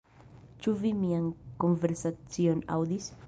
Ĉu vi mian konversacion aŭdis?